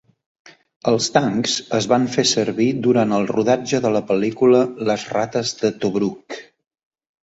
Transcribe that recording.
Els tancs es van fer servir durant el rodatge de la pel·lícula "Les rates de Tobruk".